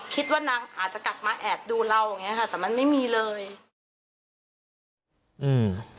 คิดว่านางอาจจะกลับมาแอบดูเราแต่มันไม่มีเลย